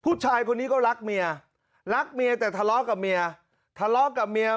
ผู้ชายคนนี้ก็รักเมียรักเมียแต่ทะเลาะกับเมีย